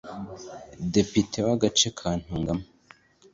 Depite w’agace ka Ntungamo